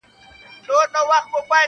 خالقه ورځي څه سوې توري شپې دي چي راځي-